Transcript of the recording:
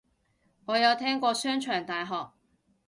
我有聽過商場大學